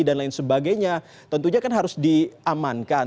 lain sebagainya tentunya kan harus diamankan